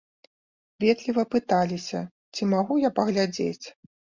Ветліва пыталіся, ці магу я паглядзець.